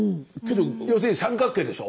要するに三角形でしょ。